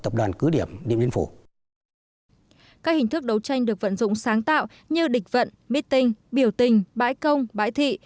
các hình thức đấu tranh được vận dụng sáng tạo như địch vận mít tinh biểu tình bãi công bãi thị